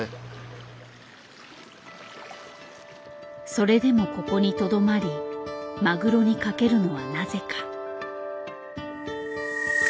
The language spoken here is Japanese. それでもここにとどまりマグロに懸けるのはなぜか。